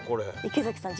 池崎さん